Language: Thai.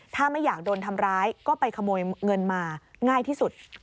ถ้าไม่อยากโดนทำร้ายก็ไปขโมยเงินมาง่ายที่สุด